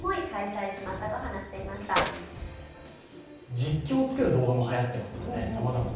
実況をつける動画もはやっていますもんね。